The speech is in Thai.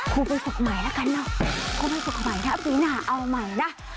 คุณไปฝึกใหม่แล้วกันเนาะก็ไปฝึกใหม่นะฟรีน่าเอาใหม่นะ